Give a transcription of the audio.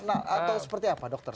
atau seperti apa dokter